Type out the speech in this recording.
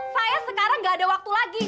saya sekarang gak ada waktu lagi